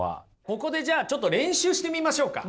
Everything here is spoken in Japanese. ここでじゃちょっと練習してみましょうか。